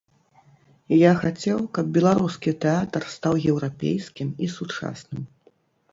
Я хацеў, каб беларускі тэатр стаў еўрапейскім і сучасным.